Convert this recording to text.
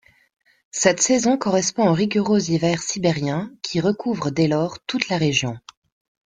Cette saison correspond au rigoureux hiver sibérien qui recouvre dès lors toute la région.